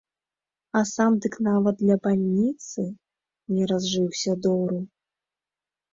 А сам дык нават для бальніцы не разжыўся дору!